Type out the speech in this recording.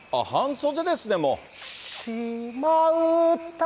半袖ですね、もう。